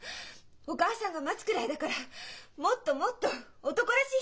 お母さんが待つくらいだからもっともっと男らしい人かと思ってた。